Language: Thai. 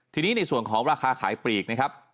ทีนี้ในส่วนของราคาขายปลีกนะครับ